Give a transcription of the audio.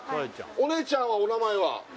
お姉ちゃんはお名前は？